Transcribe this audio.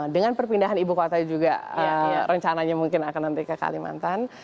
dengan perpindahan ibu kota juga rencananya mungkin akan nanti ke kalimantan